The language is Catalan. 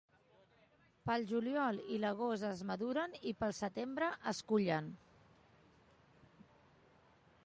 Pel juliol i l'agost es maduren i pel setembre es cullen.